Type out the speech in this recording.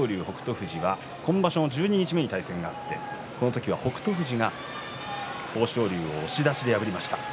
富士は今場所の十二日目に対戦があって、この時は北勝富士が豊昇龍を押し出しで破りました。